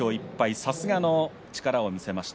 さすがの力を見せました